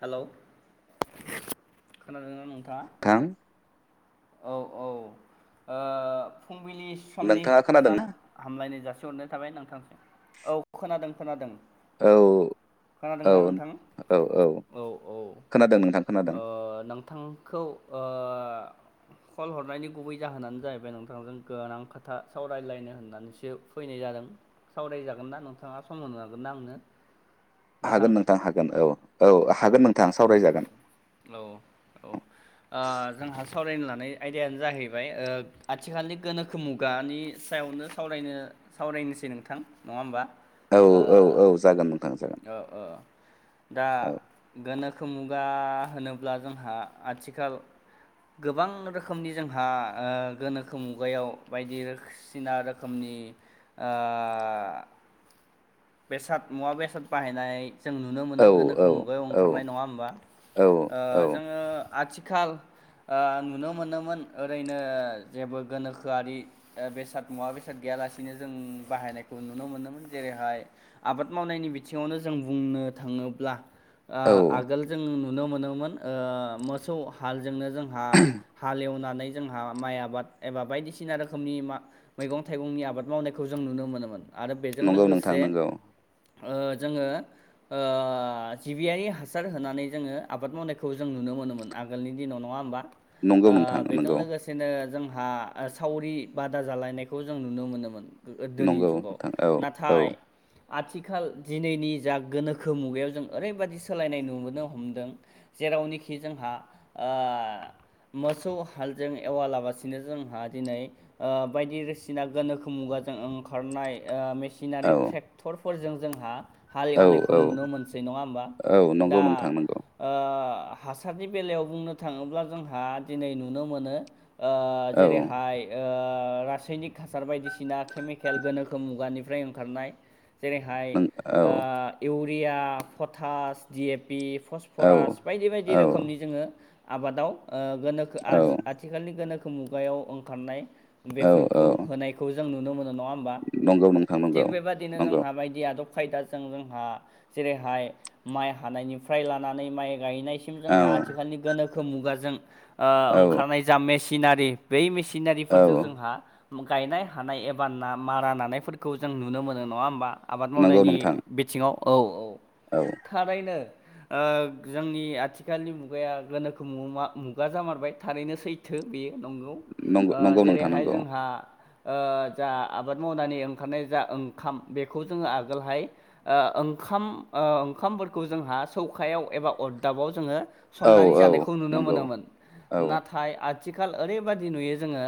Hello खोनादों ना नोंथाङा? थां औ औ ओ फुंबिलि समनि नोंथाङा गोजोन खोनादोंना हामलायनाय जासि हरनाय थाबाय नोंथां। औ खोनादों खोनादों। औ औ खोनादोंना नोंथां? औ औ खोनादों नोंथां। खोनादों ओ नोंथांखौ ओ कल हरनायनि गुबै जाहोनानो जाहैबाय नोंथांजों गोनां खोथा सावरायलायनो होननानैसो फै नाय जादों। सावरायजागोन ना नोंथांङा सम होनो हागोनना आंनो? हागोन नोंथां हागोन औ औ हागोन नोंथां। औ औ सावरायजागोन औ औ ओ जोंहा सावरायनो लानाय बे आयदायानो जाहैबाय आथिखालनि गोनोखो मुगानि सायावनो सावरायनो साव रायनोसै नोंथां नंङा होमबा? औ ओ औ औ जागोन नोंथां जागोन ओ ओ दा औ। गोनोखो मुगा होनोब्ला जोंहा आथिखालाव गोबां रोखोमनि जोंहा गोनोखो मुगायाव बायदिसिना रोखोमनि ओ बेसाद मुवा बेसाद बाहायनाय जों नुनो मोनो औ गोनोखो मुगायाव औ ओंखारनाय नंङा होमबा। औ औ जोंङो आथिखाल [unintelligible] ओ नुनो मोनोमोन ओरैनो जेबो गोनोखोआरि बेसाद मुवा बेसाद गैया लासिनो जों बाहायनायखौ नुनो मोनोमोन। जेरैहाय आबाद मावनायनि बिथिंङावनो जों बुंनो थांङोब्ला ओ औ आगोल जों नुनो मोनोमोन ओ मोसौ हाल जोंनो जोंहा हालेवनानै जोंहा माइ आबाद एबा बायदिसिना रोखोमनि मा मैगं थाइगंनि आबाद मावनायखौ जों नुनो मोनोमोन। आरो बेजों नंगौ नोंथां लोगोसे नंगौ ओ जोंङो ओ जिबियारि हासार होनानै जोंङो आबाद मावनायखौ जों नुनो मोनोमोन आगोलनि दिनाव नंङा होमबा। ओ नंगौ नोंथां बेजों नंगौ लोगोसेनो जों हा सावरि बादा जालायनायखौ जों नुनो मोनोमोन। गोदोनि नंगौ जुगाव नोंथां औ औ नाथाय आथिखाल दिनैनि जा गोनोखो मुगायाव जों ओरैबायादि सोलायनाय नुबोनो हमदों जेरावनोखि जोंहा ओ मोसौ हालजों एवालाबसिनो जोंहा दिनै ओ बायदि रिसिना गोनोखो मुगा जों ओंखारनाय ओ मेसिनारि औ ट्रेक्टरफोरजों जोंहा हाल औ एवनायखौ औ नुनो मोनसै नङा होमबा औ नंगौ दा नोंथां नंगौ ओ ओ हासारनि बेलायाव बुंनो थांङोब्ला जोंहा दिनै नुनो मोनो ओ औ जेरैहाय ओ रासायनिक हासार बायदिसिना केमिकेल गोनोखो मुगानि फ्राइ ओंखारनाय जेरैहाय नों औ ओ इउरिया पटास, डि एपि, औ फसफरास बायदि बायदि औ रोखोमनि जोंङो आबादाव ओ गोनोखो औ आथिखालनि गोनोखो मुगायाव ओंखारनाय औ औ बेफोरखौ होनायखौ जों नुनो मोनो नंङा होमबा? नंगौ नोंथां नंगौ थिग बेबदिनो नंगौ जोंहा बायदि आदब जों खायदाजों जोंहा जेरैहाय माइ हानायनिफ्राय लानानै माइ गायनायसिम जोंहा आथिखालनि गोनोखो मुगाजों ओ औ ओंखारनाय जा मेसिनारि बै औ मेसिनारिफोरजों जोंहा गायनाय हानाय एबा ना मारा नानायफोरखौ जों नुनो मोनो नङा होमबा? आबाद नंगौ मावनायनि नोंथां बिथिंङाव औ औ औ थारैनो ओ जोंनि आथिखालनि मुगाया गोनोखो मुगा जामारबाय थारैनो सैथो बेयो। नंगौ नंगौ ओ नंगौ नोंथां जेरैहाय नंगौ जोंहा ओ जा आबाद मावनानै ओंखारनाय जा ओंखाम बेखौ जोंङो आगोलहाय ओ ओंखाम ओ ओंखामफोरखौ जोंहा सौखायाव एबा अरदाबाव जोंङो औ संनानै औ जानायखौ नुनो नंगौ मोनोमोन। औ नाथाय आथ आथिखाल ओरैबादि नुयो जोंङो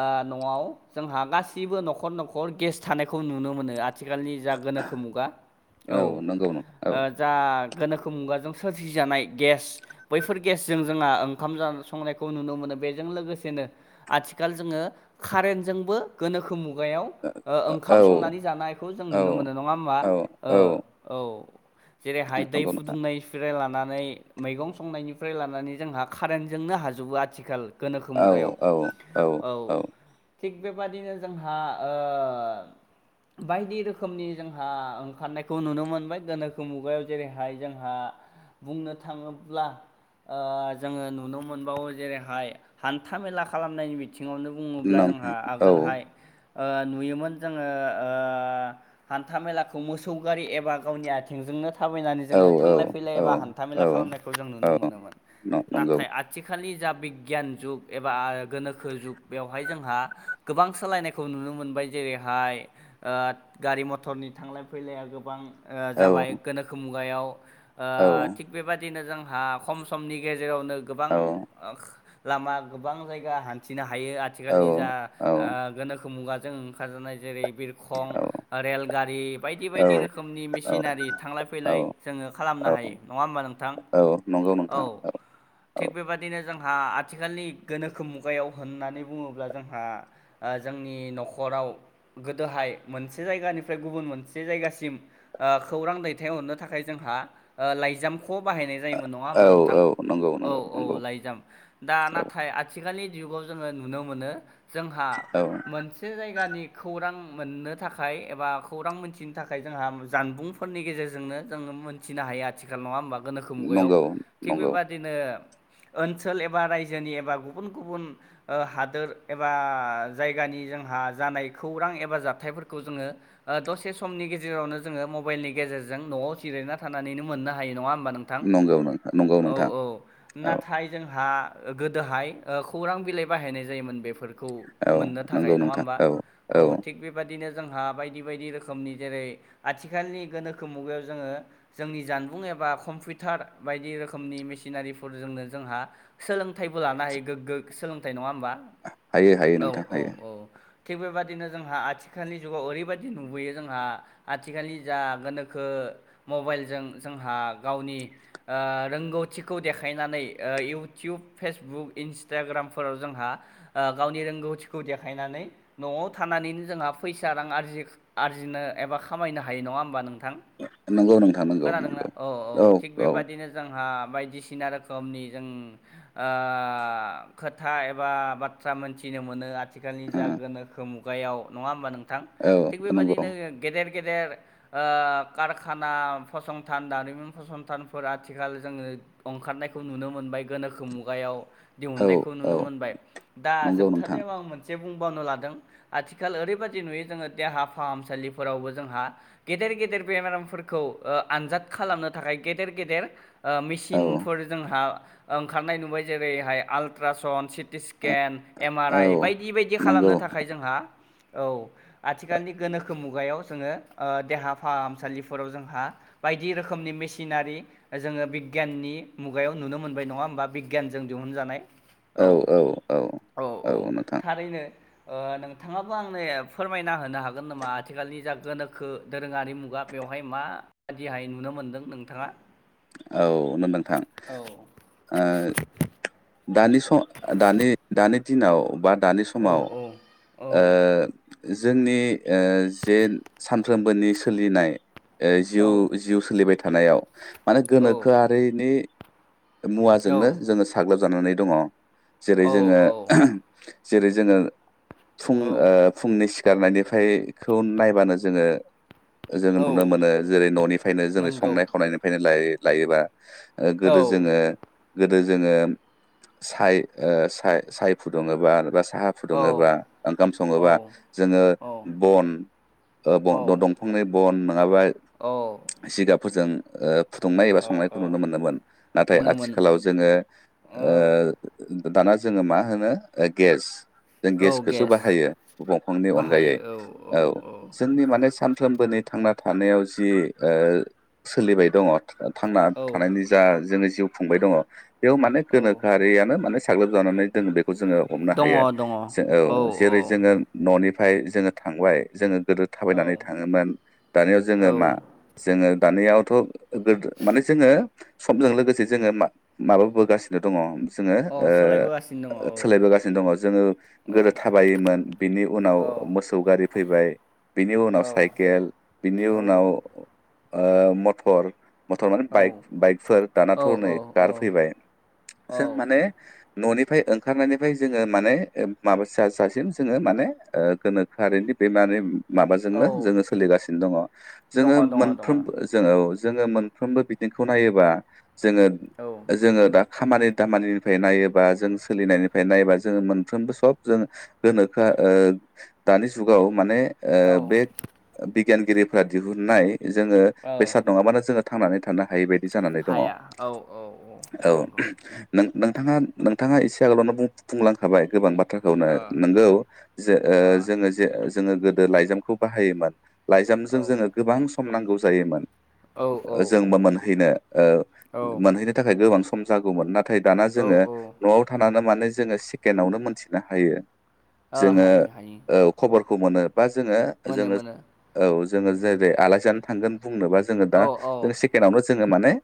ओ न'आव जोंहा गासिबो न'खर न'खर गेस थानाय खौ नुनो मोनो आथिखालनि जा गोनोखो मुगा औ ओ नंगौ नोंथां औ जा गोनोखो मुगाजों सोरजिजानाय गेस बैफोर गेसजों जोंहा ओंखाम ज संनायखौ नुनो मोनो। बेजों लोगोसेनो आथिखाल जोङो कारेन्टजोंबो गोनोखो मुग खुगायाव ओ ओंखाम औ संनानै जानायखौ जों औ नुनो मोनो नङा होमबा? औ ओ औ जेरै हायदाय नंगौ नोंथां फुदुंनायफोरा लानानै मैगं संनायनिफ्राय लानानै जोंहा कारेन्टजोंनो हाजोबो आथिखाल गोनोखो मुगायाव औ। थिग बेबादिनो जोंहा ओ बायदि रोखोमनि जोंहा ओंखारनायखौ नुनो मोनबाय गोनोखो मुगायाव जेरैहाय जोंहा बुंनो थाङोब्ला ओ जोङो नुनो मोनबावो जेरैहाय हान्था मेला खालामनायनि बि बिथिङावनो बुङोब्ला नों जोंहा औ आगोलहाय ओ नुयोमोन जोङो ओ हान्था मेलाखौ मोसौ गारि एबा गावनि आथिंजोंनो थाबायनानै औ जोङो थांलाय औ फैलाय बा हान्था मेला खालामनायखौ जों औ नुनो मोनोन। नंगौ नाथाय आथिखालनि जा बिगियान जुग एबा गोनोखो जुग बेवहाय जोंहा गोबां सोलायनायखौ नुनो मोनबाय जे जेरैहाय ओ गारि मथरनि थांलाय फैलाया गोबां ओ औ जाबाय गोनोखो मुगायाव। ओ औ थिग बेबदिनो जोंहा खम समनि गेजेराव जायगावनो गोबां औ लामा गोबां जायगा हान्थिनो हा हायो आथिखालनि जा औ ओ गोनोखो मुगाजों ओंखारजानाय जेरै बिरखं, रेलगाड़ी बायदि औ बायदि रोखोमनि मि मिसिनारि थांलाय फैलाय औ जोङो खालामनो हायो नङा होमबा नोंथां? औ नंगौ औ नोंथां औ थिग बेबादिनो जोंहा आथिखालनि गोनोखो मुगायाव होननानै बुङोब्ला जोंहा ओ जोंनि न'खर खराव गोदोहाय मोनसे जायगानिफ्राय गुबुन मोनसे जायगासिम खौरां दैथायहरनो थाखाय जोंहा लाइजामखौ बाहायनाय जायोन नोंग औ हबा नोंथां औ नंगौ औ नंगौ औ नंगौ लइजाम दा औ ना आथिखालनि जुगाव जोङो नुनो मोनो जोंहा औ मोनसे जायगानि खौरां मोननो थाखाय एबा खौरां मोनथिनो थाखाय जोंहा जानबुंफोरनि गेजेरजोंनो जोङो मोनथिनो हायो आथिखाल नङा होमबा गोनोखो मुगायाव नंगौ थिग नंगौ बेबादिनो ओनसोल एबा रायजोनि एबा गुबुन गुबुन हादोर एबा जायगानि जोंहा जानाय खौरां एबा जाथायफोरखौ जोङो दसे समनि गेजेरावनो जोङो मबाइलनि गेजेरजों न'आव जिरायना थानानैनो मोननो हायो नङा हबा नोंथां नंगौ नोंथां नंगौ औ नोंथां औ औ नाथाय जोंहा गोदोहाय खौरां बिलाइ बाहायनाय जायोमोन बेफोरखौ औ खौ मोननो थाखाय नंगौ नङा नोंथां हबा औ औ थिग बेबदिनो जोंहा बायदि बायदि रोखोमनि जेरै आथिखालनि गोनोखो मुगायाव जोङो जोंनि जानबुं एबा कम्पिउटार बायदि रोखोमनि मन नफोरजोंनो जोंहा सोलोंथाइबो लानो हायो गोग्गो सोलोंथाइ नङा हबा हायो हायो औ नोंथां औ हायो औ थिग बेबदिनो जोंहा आथिखालनि जुगाव ओरैबायदि नुबोयो जोंहा आथिखालनि जा गोनोखो मबाइलजों जोंहा गावनि रोंगौ खौ देखायनानै इउटुब फेसबुक इन्सटाग्रामफोराव जोंहा गावनि रोंगौथिखौ देखायनानै न'आव थानानैनो जोंहा फैसा रांजि आरजिनो एबा खामायनो हायो नङा होमबा नोंथां नंगौ नोंथां नंगौ खोनादोंना नंगौ औ औ थिग औ ओ बेबादिनो जोंहा बायदिसिना रोखोमनि जों खोथा एबा बाथ्रा मोनथि नो मोनो आथिखालनि जा गोनोखो मुगायाव नङा होमबा नोंथां औ थिग नंगौ बेबायदिनो गेदेर गेदेर कारखाना फसंथान दारिमिन फसंथानफोर आथिखाल जोङो ओंखारनायखौ नुनो मोनबाय गोनोखो मुगायाव औ दिहुननायखौ औ नुनो मोनबाय दा नंगौ नोंथां जोबथनायाव आं मोनसे बावनो लादों आथिखाल ओरैबादि नुयो जोङो देहा फाहामसालिफोरावबो जोंहा गेदेर गेदेर बेमारफोरखौ ओ आनजाद खालामनो थाखाय गेदेर गेदेर ओ औ मेसिनफोर जोंहा ओंखारनाय नुबाय जेरैहाय ultrasound seat scan M R औ आइ बायदि बायदि नंगौ खालामनो थाखाय जोंहा औ आथिखालनि गोनोखो मुगायाव जोङो ओ देहा फाहामसालिफोराव जोंहा बायदि रोखोमनि मिसिनारि जोङो बिग ग्याननि मुगायाव नुनो मोनबाय नङा होमबा? बिग्यानजों दिहुनजानाय औ औ औ औ नोंथां ओ नोंथाङाबो आंनो ए फोरमायना होनो हागोन नामा? आथिखालनि जा गोनोखो दोरोङारि मुगा बेवहाय माबादिहाय नुनो मोन्दों नोंथाङा? औ नों नोंथां औ ओ दानि स दानि दानि दिनाव बा दानि औ समाव ओ औ जोंनि ओ जेन सानफ्रोमबोनि सोलिनाय ओ जिउ औ जिउ सोलिबाय थानायाव माने औ गोनोखोआरिनि मुवाजोंनो जोङो साग्लोबजानानै दङ जेरै जोङो औ ओह जेरै जोङो फुं औ ओ फुंनि सि गारनायनिफ्रायखौ नायबानो जोङो जोङो औ नुनो मोनो जेरै न'निफ्रायनो जोंनि नंगौ संनाय खावनायनिफ्रायनो लायो लायोबा ओ औ गोदो जोङो गोदो जोङो साय ओ सा-साय फुदुङोबा साहा औ फुदुङोबा ओंखाम औ सङोबा जोङो औ बन ओ बं द दंफांनि बन नोङाबा ओ सिगाबफोरजों ओ फुदुंनाय एबा संनायखौ नुनो मोनदोमोन नाथाय मोनो मोनो आथिखालाव जोङो औ ओ दाना जोङो मा होनो ओ गेस जों औ गेसखौसो गेस बाहायो दंफांनि अनगायै औ जोंनि माने सान फ्रोमबनि थांना थानायाव जि ओ सोलिबाय दङ थांना औ थानायनि जा जोङो जिउ खुंबाय दङ बेयाव माने दङ गोनोखोआरियानो माने साग्लोबजानानै दों बेखौ जोङो हमनो हायो औ जेरै जोङो न'नि हाय जोङो थांबाय जोङो गोदो औ थाबायनानै थाङोमोन दानियाव जोङो मा औ जोङो दानियावथ' गोद माने जोङो समजों लोगोसे जोङो मा- माबाबोगासि दङ जोङो औ ओ सोलायबोगासिनो दङ ओ औ सोलायबोगासिनो दङ जोङो औ गोदो थाबायोमोन बिनि उनाव औ मोसौ गारि फैबाय बिनि औ उनाव साइकेल बिनि औ उनाव ओ मथर मथर माने बाइक बाइकफोर औ दानाथ' नै कार फैबाय औ जों माने न'निफाय ओंखारनायनिफाय जोङो माने ओ माबा जा जासिम जोङो माने ओ गोनोखोआरि बे माने औ माबाजोंनो जोङो सोलिगानो दङ दङ जोङो दङ दङ मोनफ्रोम औ जोङो जोङो मोनफ्रोमबो बिथिंखौ नायोबा जोङो औ जोङो दा खामानि दामानिनिफाय नायोबा जों सोलिनायनिफाय नायोबा जोङो मोनफ्रोमबो सब जों गोनोखोआ ओ दानि जुगाव माने ओ बे बिगियानगिरिफोरा दिहुनाय जोङो बेसाद नङाबानो जोङो थांनानै थानो हायै बाय हाया औ औ औ नंगौ नों नोंथाङा नोंथाङा एसे आगोलावनो बुं-बुंलांखाबाय गोबां बा खौनो नोंगौ जे ए जोङो जे जोङो गोदो लाइजामखौ बाहायोमोन ओ लाइजामजों जोङो गोबां सम नांगौ जायोमोन औ ओजोंबो मोनहैनो ओ औ मोनहैनो थाखाय गोबां सम जागौमोन नाथाय दाना जोङो ओ न'आव थानानो माने जोङो सेकेण्डआवनो मोनथिनो हायो जोङो हायो हायो ओ खबरखौ मोनो बा जोङो मोनो जोङो मोनो औ जोङो जेरै आलासि जानो थांगोन बुंनोबा जोङो औ दा औ सेकेणावनो जोङो माने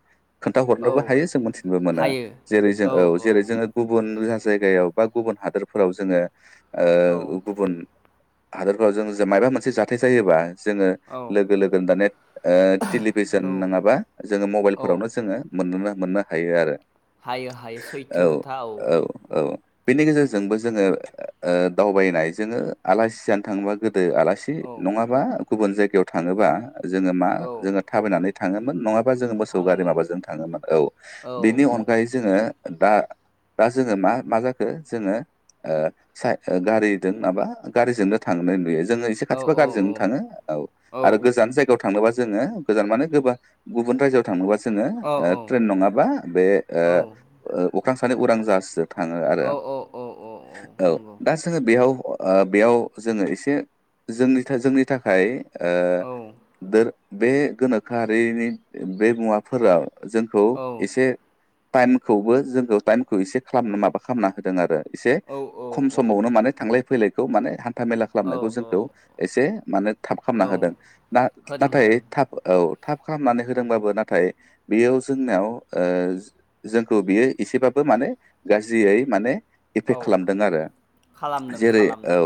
खोन्था औ हरनोबो हायो जों मोनथि मोनो हायो जेरै जों औ जेरै जोङो गुबुन जायगायाव बा गुबुन हादोरफोराव जोङो औ ओ गुबुन हादरफ्राव जों माबा मोनसे जाथाय जायोबा जोङो औ लोगो लोगोन दान ओ टेलिभिसन औ नङाबा जोङो औ मबाइलफोरावनो जोङो मोनोनो मोननो हायो आरो हायो हायो औ सैथो खोथा औ औ बेनि गेजेरजोंबो जोङो ओ दावबायनाय जोङो आलासि जानो थाङोबा गो दो आलासि औ नङाबा गुबुन जायगायाव थाङोबा जोङो मा औ जोङो थाबायनानै थाङोमोन नङाबा जोङो मोसौ गारि थाङोमोन माबाजों थाङोमोन औ औ बिनि औ अनगायै जोङो। दा दा जोङो मा मा जाखो जोङो। ओ गारिजों सा माबा गारिजोंनो थांनाय नुयो। जोङो एसे औ खाथिबा औ गारिजोंनो थाङो औ आरो गोजान जायगायाव थाङोबा जोङो गोजान गुबुन राइजोयाव थाङोबा ट्रेनङाबा बे ओ अख्रां सानै उरां जाहाजजों थाङो आरो औ औ औ नंगौ दा जोङो बेयाव ओ बेयाव जोङो एसे जोंनि जोंनि थाखाय ओ औ दं बे गोनोखोआरिनि बे मुवाफोराव जोंखौ औ एसे टाइमखौबो जोंखौ टाइमखौ इसे खालामनो माबा खालामना होदों आरो एसे औ खम समावनो माने थांलाय फैलायखौ माने हान्थामेला औ खालामनायखौ जोंखौ एसे माने थाब खालामना औ होदों ना होदों नाथाय होदों थाब औ थाब खालामनानै होदोंबाबो नाथाय बेयो जोंनाव ओ जोंखौ बियो एसेबाबो माने गाज्रियै माने औ इफेक्ट खालामदों आरो खालामदों जेरै औ खालामदों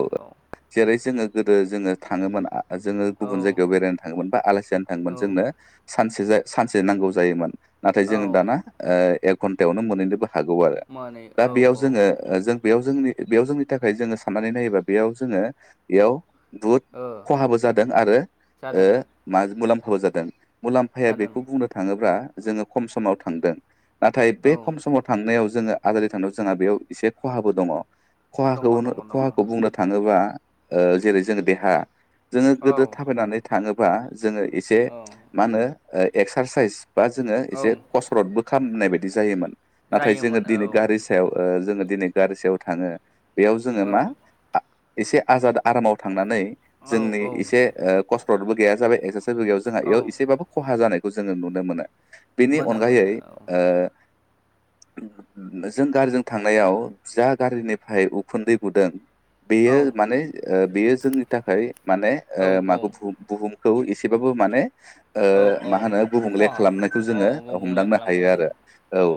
जेरै जोङो गोदो जोङो थाङोमोन। जोङो औ गुबुन जायगायाव बेरायनो थाङोमोन बा आलासि जानो थाङोमोन औ जोंनो सानसे जाय सानसे नांगौ जायोमोन नाथाय औ जों दाना ओ एक घन्टायावनो मोनहैनोबो हागौ आरो माने दा औ बेयाव औ जोङो जों बेयाव जोंनि बेयाव जोंनि थाखाय जोङो साननानै नायोबा बेयाव जोङो बेयाव बहुद ओ खहाबो जादों आरो ओ जादों मा मुलाम्फाबो जादों। मुलाम्फाया जादों बेखौ बुंनो थाङोब्ला जोङो खम समाव थांदों नाथाय बे औ खम समाव थांनायाव जोङो आगोलै थांनायाव जोंहा बेयाव एसे खहाबो दङ दङ खहाखौ दङ दङ खहाखौ बुंनो थाङोबा ओ जेरै जोङो देहा जोङो गोदो औ थााबायनानै थाङोबा जोङो एसे औ मा होनो एक्सारसाइस बा जोङो औ एसे कसरतबो खालामनाय बाय दि जायोमोन नाथाय जोङो जायोमोन औ दिनै गारि सायाव ओ जोङो दिनै गारि सायाव थाङो। बेयाव जोङो औ मा आ एसे आजाद आरामाव थांनानै औ जोंनि औ एसे ओ खस रतबो गैया जाबाय एक्सारसाइसबो एयाव बेयाव औ एसेबाबो खहा जानाय जोङो नुनो मोनो। बेनि मोनो अनगायै मोनो औ ओ [inaudible] जों गारिजों थांनायाव जा गारिनिफ्राय उखुन्दै गुदों बेयो औ माने ओ बेयो जोंनि थाखाय माने औ माखौ औ बु-बुहुम खौ एसेबाबो माने औ औ मा होनो गुबुंले खहा खालामनो औ जोङो गुबुंले हमांनो खालामो हायो आरो। औ औ